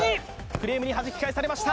フレームにはじき返されました